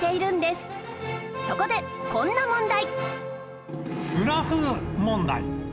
そこでこんな問題